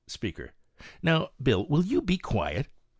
Speaker. "Now, Bill, will you be quiet?"